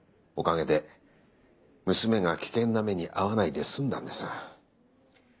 おかげで娘が危険な目に遭わないで済んだんです。